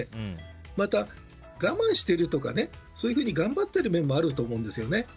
また、我慢してるとかそういうふうに頑張っている面もあると思うんですよね。